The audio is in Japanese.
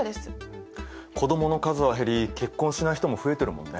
子どもの数は減り結婚しない人も増えてるもんね。